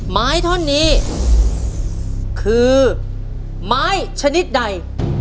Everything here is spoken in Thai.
ไม้ท่อนนี้คือไม้ชนิดใด